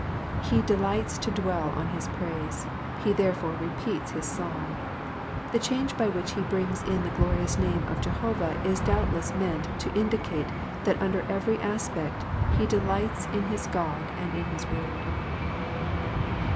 ^^ He delights to dwell on his praise, he tiierefore repeats his song. The change by which he brings in the glorious name of Jehovah is doubtless meant to indicate that under every aspect he delights in his God and in his word.